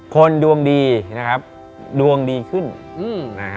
คนดวงดีดวงดีขึ้น